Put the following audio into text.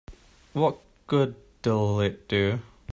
What good'll it do?